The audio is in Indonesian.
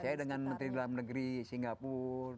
saya dengan menteri dalam negeri singapura